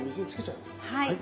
はい。